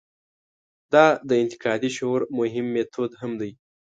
دا د انتقادي شعور مهم میتود هم دی.